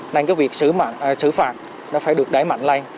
nên cái việc xử phạt nó phải được đẩy mạnh lên